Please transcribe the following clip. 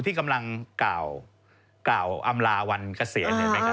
ที่กำลังกล่าวอำลาวันเกษียณ